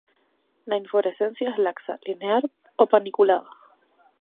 La inflorescencia es laxa, linear o paniculada.